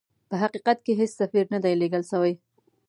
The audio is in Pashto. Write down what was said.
په حقیقت کې هیڅ سفیر نه دی لېږل سوی.